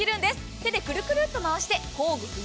手でくるくると回して工具不要。